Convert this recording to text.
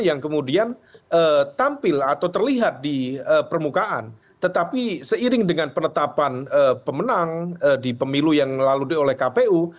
yang kemudian tampil atau terlihat di permukaan tetapi seiring dengan penetapan pemenang di pemilu yang lalu di oleh kpu